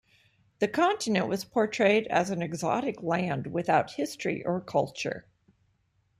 The continent was portrayed as an exotic land without history or culture.